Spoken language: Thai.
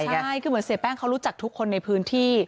ใช่คือเหมือนเสียแป้งเขารู้จักทุกคนในพื้นที่